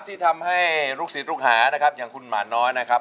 ที่ทำให้ลูกศิษย์ลูกหานะครับอย่างคุณหมาน้อยนะครับ